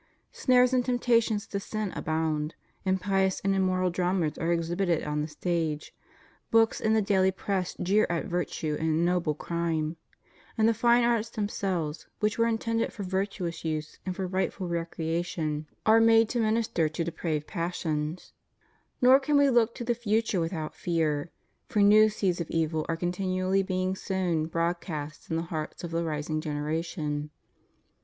^ Snares and temptations to sin abound ; impious and immoral dramas are exhibited on the stage; books and the daily press jeer at virtue and ennoble crime; and the fine arts themselves, which were intended for virtuous use and for rightful recreation, are » 1 John ii. 16. » Job xi. 12. THE RIGHT ORDERING OF CHRISTIAN LIFE. 167 made to minister to depraved passions. Nor can we look to the future without fear; for new seeds of evil are con tinually being sown broadcast in the hearts of the rising generation.